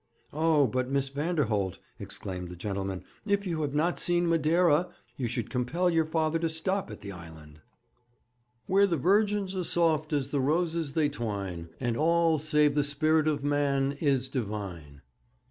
'Oh, but Miss Vanderholt,' exclaimed the gentleman, 'if you have not seen Madeira, you should compel your father to stop at the island, '"Where the virgins are soft as the roses they twine, And all, save the spirit of man, is divine."'